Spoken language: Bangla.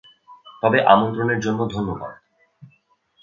তবে আমন্ত্রণের জন্য ধন্যবাদ।